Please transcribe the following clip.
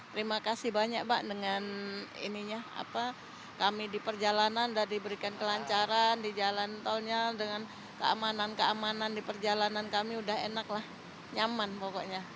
terima kasih banyak mbak dengan ininya apa kami di perjalanan udah diberikan kelancaran di jalan taunya dengan keamanan keamanan di perjalanan kami udah enaklah nyaman pokoknya